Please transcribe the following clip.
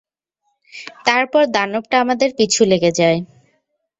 তারপর দানবটা আমাদের পিছু লেগে যায়।